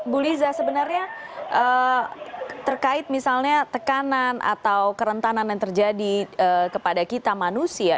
bu liza sebenarnya terkait misalnya tekanan atau kerentanan yang terjadi kepada kita manusia